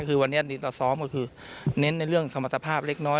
คือวันนี้เราซ้อมก็คือเน้นในเรื่องสมรรถภาพเล็กน้อย